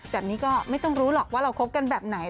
แบบนี้ก็ไม่ต้องรู้หรอกว่าเราคบกันแบบไหน